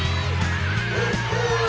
「フッフー！」